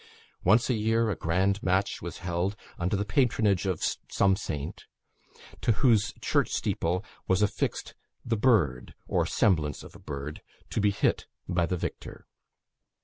Once a year a grand match was held, under the patronage of some saint, to whose church steeple was affixed the bird, or semblance of a bird, to be hit by the victor.